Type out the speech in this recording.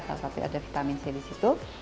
salah satu ada vitamin c di situ